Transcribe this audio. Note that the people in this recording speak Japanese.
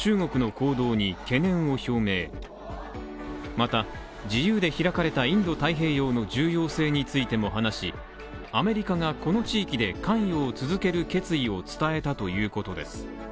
また、自由で開かれたインド太平洋の重要性についても話し、アメリカがこの地域で関与を続ける決意を伝えたということです。